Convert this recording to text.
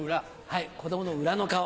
はい子供の裏の顔。